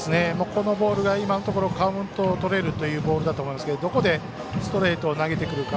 このボールが今のところカウントをとれるボールだと思いますけどどこでストレートを投げてくるか。